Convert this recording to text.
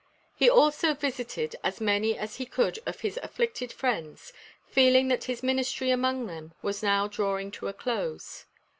He also visited as many as he could of his afflicted friends, feeling that his ministry among them was now drawing to a close.